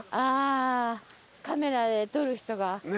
カメラで撮る人が。